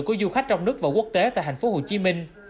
của du khách trong nước và quốc tế tại thành phố hồ chí minh